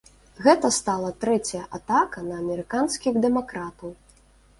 Гэта стала трэцяя атака на амерыканскіх дэмакратаў.